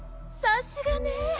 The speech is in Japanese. さすがね。